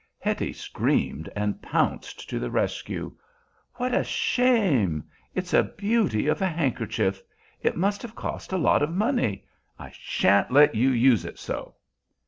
Hetty screamed and pounced to the rescue. "What a shame! It's a beauty of a handkerchief. It must have cost a lot of money. I shan't let you use it so."